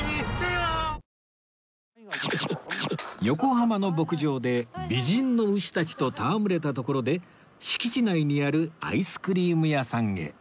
横浜の牧場で美人の牛たちと戯れたところで敷地内にあるアイスクリーム屋さんへ